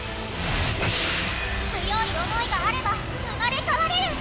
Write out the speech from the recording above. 強い思いがあれば生まれ変われる。